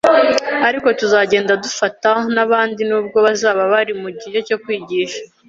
ariko tuzagenda dufata n’abandi nubwo bazaba bari mu gihe cyo kwigisha,